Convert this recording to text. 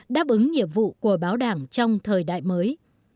đáp ứng nhiệm vụ của báo đảng trong thời đại mới